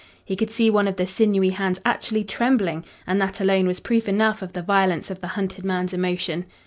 He could see one of the sinewy hands actually trembling, and that alone was proof enough of the violence of the hunted man's emotion.